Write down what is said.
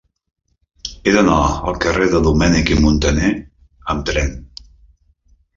He d'anar al carrer de Domènech i Montaner amb tren.